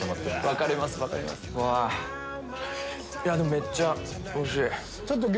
めっちゃおいしい！